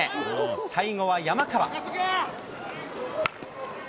最後は山川。